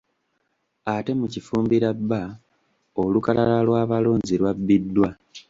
Ate mu Kifumbira B olukalala lw’abalonzi lwabbiddwa.